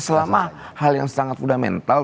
selama hal yang sangat fundamental